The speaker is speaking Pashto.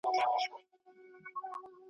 تش په نوم که د نیکونو ژوندي پایو `